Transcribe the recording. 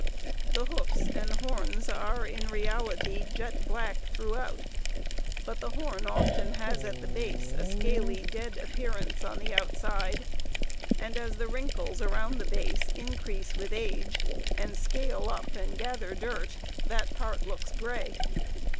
The hoofs and horns are, in reality, jet black throughout, but the horn often has at the base a scaly, dead appearance on the outside, and as the wrinkles around the base increase with age and scale up and gather dirt, that part looks gray.